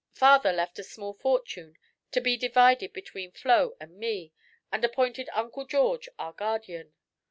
Father left a small fortune to be divided between Flo and me, and appointed Uncle George our guardian.